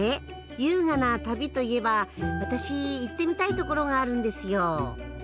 優雅な旅といえば私行ってみたい所があるんですよ。